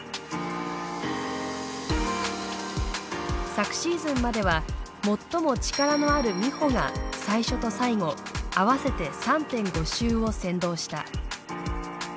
昨シーズンまでは最も力のある美帆が最初と最後合わせて３．５周を先導した。